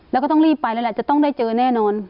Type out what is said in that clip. แล้วก็ต้องรีบไปแล้วแหละจะต้องได้เจอแน่นอน